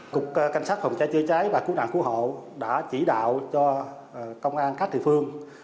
cục cảnh sát phòng cháy chữa cháy và cứu nạn cứu hộ đã chỉ đạo cho công an các địa phương